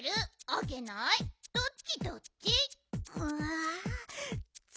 あっ！